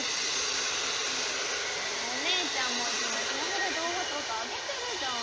ねえお姉ちゃんもいつもスマホでどう画とかあげてるじゃん。